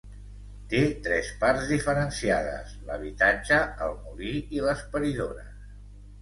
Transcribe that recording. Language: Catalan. Té tres parts diferenciades: l'habitatge, el molí i les paridores.